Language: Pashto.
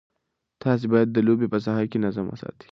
تاسي باید د لوبې په ساحه کې نظم وساتئ.